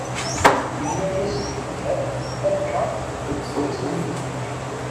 Yenna-as yifker : akka seg asmi i d-nekker.